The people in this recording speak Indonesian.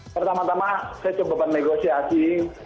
pertama tama saya coba bernegosiasi